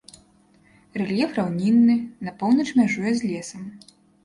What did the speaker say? Рэльеф раўнінны, на поўнач мяжуе з лесам.